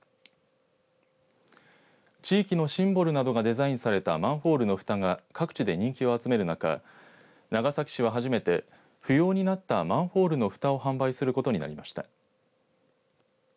地域のシンボルなどがデザインされたマンホールのふたが各地で人気を集める中長崎市は初めて不要になったマンホールのふたを販売することになりました。